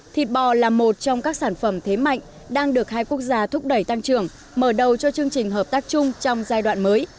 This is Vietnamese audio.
thịt bò là một trong các sản phẩm thế mạnh đang được hai quốc gia thúc đẩy tăng trưởng mở đầu cho chương trình hợp tác chung trong giai đoạn mới